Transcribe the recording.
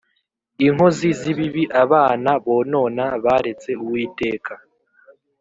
inkozi z’ibibi, abana bonona baretse Uwiteka